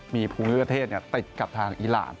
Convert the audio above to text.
มีภูมิประเทศติดกับทางอีราน